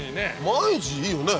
毎日いいよね？